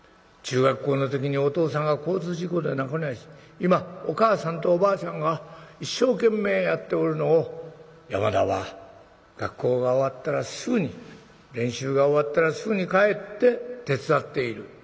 中学校の時にお父さんが交通事故で亡くなり今お母さんとおばあちゃんが一生懸命やっておるのを山田は学校が終わったらすぐに練習が終わったらすぐに帰って手伝っている。